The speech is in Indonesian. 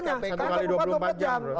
ya karena aturannya